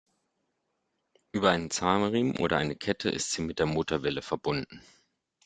Über einen Zahnriemen oder eine Kette ist sie mit der Motorwelle verbunden.